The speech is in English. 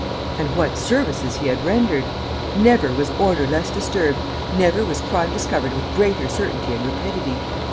And what services he had rendered! Never was order less disturbed, never was crime discovered with greater certainty and rapidity.